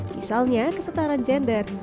misalnya kesetaraan gender